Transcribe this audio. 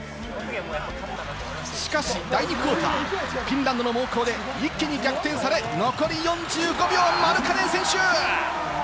しかし第２クオーター、フィンランドの猛攻で一気に逆転され、残り４５秒、マルカネン選手。